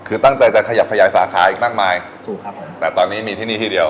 คือตั้งใจจะขยับขยายสาขาอีกมากมายถูกครับผมแต่ตอนนี้มีที่นี่ที่เดียว